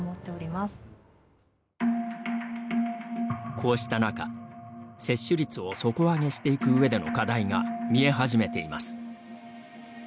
こうした中、接種率を底上げしていく上での課題が見え始めています。